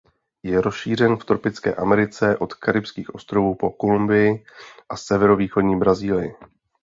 Je rozšířen v tropické Americe od karibských ostrovů po Kolumbii a severovýchodní Brazílii.